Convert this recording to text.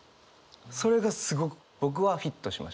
それがすごく僕はフィットしました。